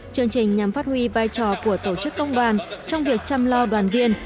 chương trình nhằm phát huy vai trò của tổ chức công đoàn trong việc chăm lo đoàn viên